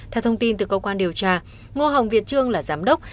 theo thông tin từ cơ quan điều tra ngô hồng việt trương là giám đốc